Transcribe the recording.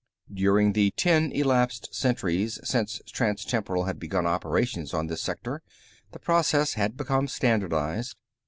During the ten elapsed centuries since Transtemporal had begun operations on this sector, the process had become standardized.